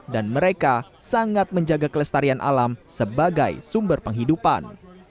dan mereka sangat menjaga kelestarian alam sebagai sumber penghidupan